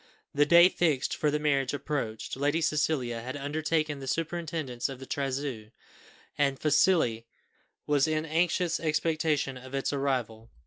The day fixed for the marriage approached; Lady Cecilia had undertaken the superintendence of the trousseau, and Felicie was in anxious expectation of its arrival.